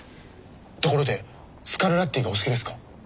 ところでスカルラッティがお好きですか？